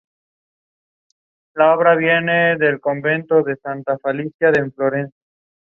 Unos pocos km.